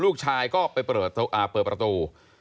ลูกชายก็ไปเปิดประตู